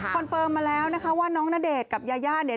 เฟิร์มมาแล้วนะคะว่าน้องณเดชน์กับยายาเนี่ย